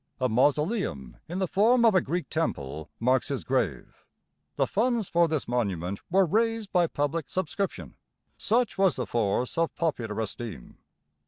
A mausoleum in the form of a Greek temple marks his grave. The funds for this monument were raised by public subscription, such was the force of popular esteem.